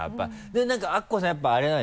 で何かアッコさんやっぱあれなんでしょ？